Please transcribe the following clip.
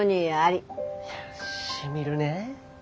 しみるねえ。